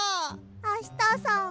あしたさん